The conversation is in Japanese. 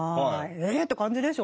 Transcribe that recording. えって感じでしょうね